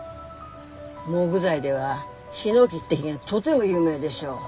木材ではヒノキって木がとても有名でしょ。